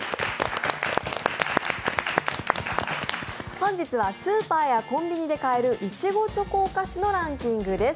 本日はスーパーやコンビニで帰るいちごチョコ菓子のランキングです。